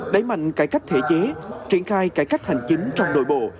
đẩy mạnh cải cách thể chế triển khai cải cách hành chính trong nội bộ